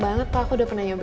menjadi ke defenders